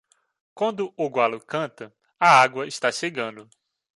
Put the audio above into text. Quando o galo canta, a água está chegando.